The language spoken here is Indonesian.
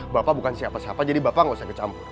bapak bukan siapa siapa jadi bapak gak usah kecampur